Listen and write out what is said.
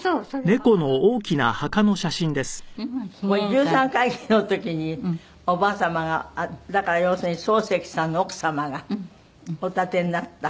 十三回忌の時におばあ様がだから要するに漱石さんの奥様がお建てになった。